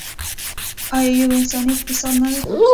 آیا یو انساني اقتصاد نه دی؟